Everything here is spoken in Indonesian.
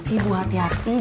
ibu hati hati dong